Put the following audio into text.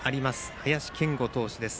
林謙吾投手です。